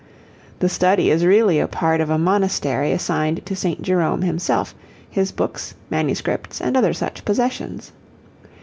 The study is really a part of a monastery assigned to St. Jerome himself, his books, manuscripts, and other such possessions.